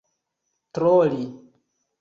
troli